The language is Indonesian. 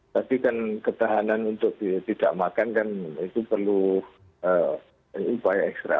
tapi kan ketahanan untuk tidak makan kan itu perlu upaya ekstra